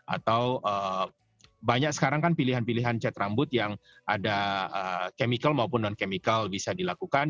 atau banyak sekarang kan pilihan pilihan cat rambut yang ada chemical maupun non chemical bisa dilakukan